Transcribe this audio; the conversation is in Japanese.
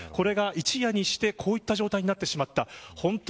これが一夜にしてこういった状態になってしまった。